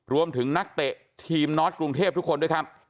รวมถึงนักเตะทีมนอดกรุงเทพฯทุกคนด้วยครับ